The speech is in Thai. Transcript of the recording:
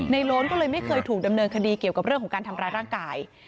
โล้นก็เลยไม่เคยถูกดำเนินคดีเกี่ยวกับเรื่องของการทำร้ายร่างกาย